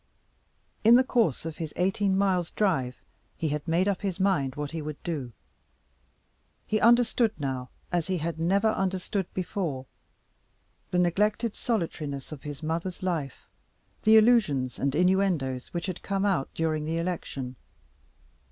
In the course of his eighteen miles' drive he had made up his mind what he would do. He understood now, as he had never understood before, the neglected solitariness of his mother's life, the allusions and innuendoes which had come out during the election.